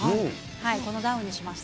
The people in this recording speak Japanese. このダウンにしました。